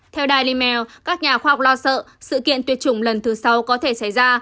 theo del các nhà khoa học lo sợ sự kiện tuyệt chủng lần thứ sáu có thể xảy ra